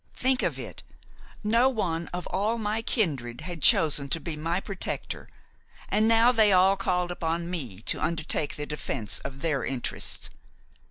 Think of it! no one of all my kindred had chosen to be my protector and now they all called upon me to undertake the defence of their interests!